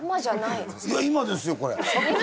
いや今ですよこれ！